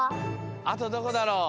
あとどこだろう？